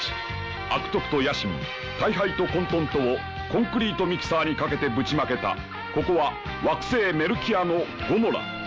悪徳と野心退廃と混沌とをコンクリートミキサーにかけてぶちまけたここは惑星メルキアのゴモラ。